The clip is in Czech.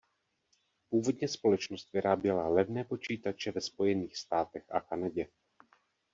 Původně společnost vyráběla levné počítače ve Spojených státech a Kanadě.